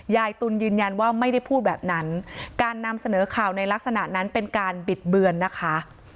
ตุลยืนยันว่าไม่ได้พูดแบบนั้นการนำเสนอข่าวในลักษณะนั้นเป็นการบิดเบือนนะคะ